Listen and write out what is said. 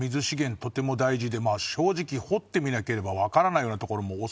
とても大事で泙正直掘ってみなければわからないようなところも欧蕕